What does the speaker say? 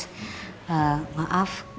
maaf kalau saya gak ikut siap sarapan ya